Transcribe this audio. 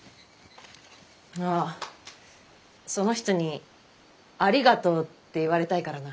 あその人に「ありがとう」って言われたいからな。